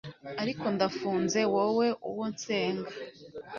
Ariko ndafunze Wowe uwo nsenga